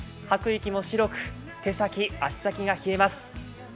吐く息も白く手先、足先が冷えます。